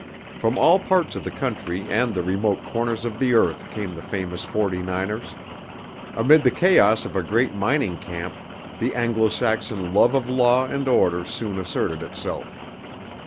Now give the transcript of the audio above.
From all parts of the country and the remote corners of the earth came the famous Forty niners. Amid the chaos of a great mining camp the Anglo Saxon love of law and order soon asserted itself.